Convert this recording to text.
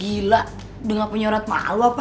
gila dengan penyorot malu apa